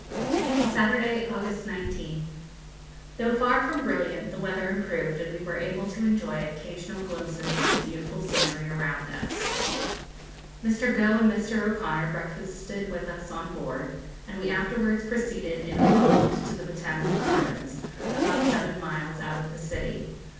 Saturday, August 19th. Though far from brilliant, the weather improved, and we were able to enjoy occasional glimpses of the beautiful scenery around us. Mr. Gough and Mr. O'Conor breakfasted with us on board, and we afterwards proceeded in a 'bond' to the Botanical Gardens, about seven miles out of the city.